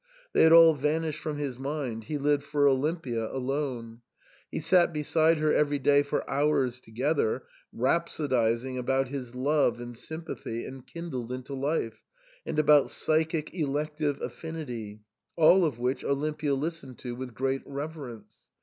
They had all vanished from his mind ; he lived for Olimpia alone. He sat beside her every day for hours together, rhapsodising about his love and sympathy enkindled into life, and about psychic elective affinity *— all of which Olimpia listened to with great reverence.